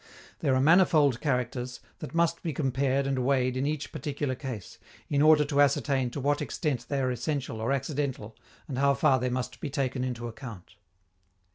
There are manifold characters, that must be compared and weighed in each particular case, in order to ascertain to what extent they are essential or accidental and how far they must be taken into account.